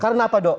karena apa dok